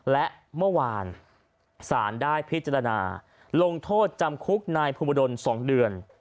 และเมื่อวานศาลได้พิจารณาลงโทษจำคุกนายภูมิดล๒เดือน